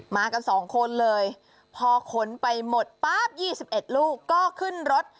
มากัน๒คนเลยพอขนไปหมดป๊าบ๒๑ลูกก็ขึ้นรถ